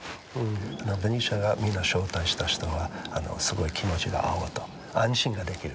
ベニシアがみんな招待した人はすごい気持ちが合う安心ができる。